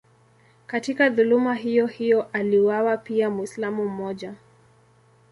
Katika dhuluma hiyohiyo aliuawa pia Mwislamu mmoja.